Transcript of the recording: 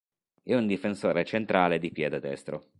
È un difensore centrale di piede destro.